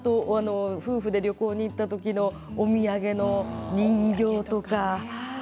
夫婦で旅行に行った時のお土産の人形とか。